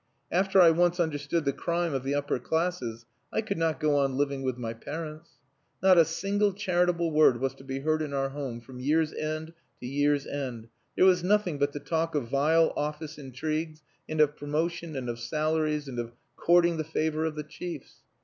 After I once understood the crime of the upper classes, I could not go on living with my parents. Not a single charitable word was to be heard in our home from year's end to year's end; there was nothing but the talk of vile office intrigues, and of promotion and of salaries, and of courting the favour of the chiefs.